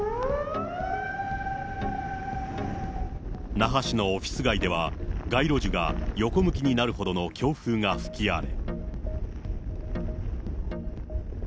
那覇市のオフィス街では、街路樹が横向きになるほどの強風が吹き荒れ。